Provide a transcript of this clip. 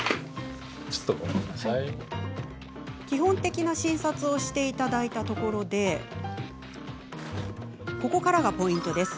基本的な診察をしていただいたところでここからがポイントです。